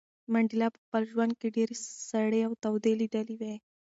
منډېلا په خپل ژوند کې ډېرې سړې او تودې لیدلې وې.